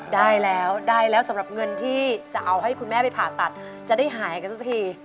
ได้แล้วได้แล้วสำหรับเงินที่จะเอาให้คุณแม่ไปผ่าตัดจะได้หายกันสักที